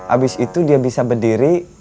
abis itu dia bisa berdiri